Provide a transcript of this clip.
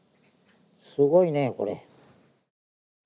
すごいねこれ。